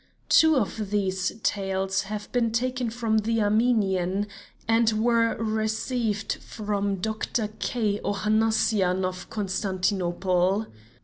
Two of these tales have been taken from the Armenian, and were received from Dr. K. Ohannassian of Constantinople.